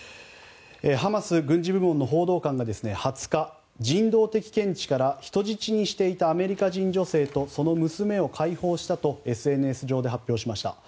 ハマス軍事部門の報道官が２０日人道的見地から、人質にしていたアメリカ人女性とその娘を解放したとＳＮＳ上で発表しました。